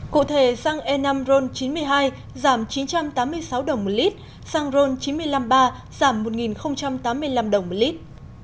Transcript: cụ thể xăng e năm ron chín mươi hai giảm chín trăm tám mươi sáu đồng một lít xăng ron chín trăm năm mươi ba giảm một tám mươi năm đồng một lít